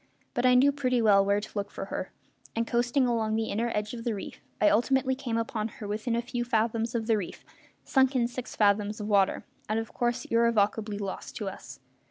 But I knew pretty well where to look for her, and, coasting along the inner edge of the reef, I ultimately came upon her within a few fathoms of the reef, sunk in six fathoms of water, and of course irrevocably lost to us.